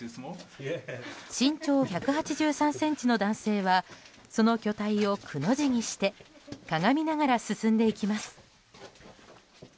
身長１８３ｃｍの男性はその巨体をくの字にしてかがみながら進んでいきます。